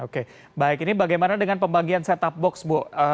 oke baik ini bagaimana dengan pembagian setoboks bu